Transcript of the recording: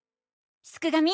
すくがミ！